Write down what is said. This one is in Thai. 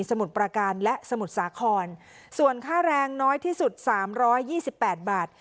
มุดประการและสมุทรสาครส่วนค่าแรงน้อยที่สุด๓๒๘บาท